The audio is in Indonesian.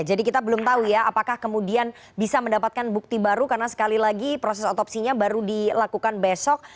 jadi kita belum tahu ya apakah kemudian bisa mendapatkan bukti baru karena sekali lagi proses otopsinya baru dilakukan besok